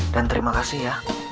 dan terima kasih ya